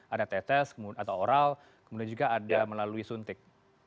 ada tetes atau oral kemudian juga ada melalui suntik